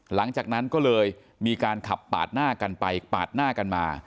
หลังจากนั้นก็เลยมีการขับปาดหน้ากันไปปาดหน้ากันมา